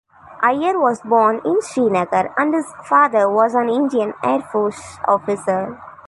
Iyer was born in Srinagar and his father was an Indian Air Force officer.